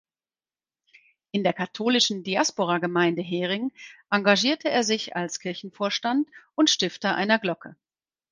In der katholischen Diasporagemeinde Hering engagierte er sich als Kirchenvorstand und Stifter einer Glocke.